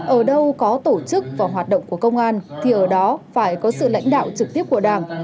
ở đâu có tổ chức và hoạt động của công an thì ở đó phải có sự lãnh đạo trực tiếp của đảng